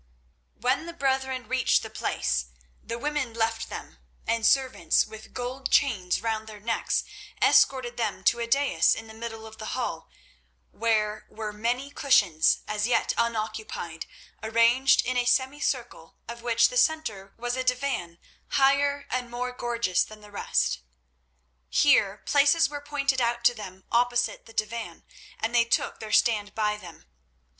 When the brethren reached the place the women left them, and servants with gold chains round their necks escorted them to a dais in the middle of the hall where were many cushions, as yet unoccupied, arranged in a semicircle, of which the centre was a divan higher and more gorgeous than the rest. Here places were pointed out to them opposite the divan, and they took their stand by them.